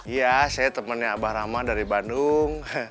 iya saya temennya abah rama dari bandung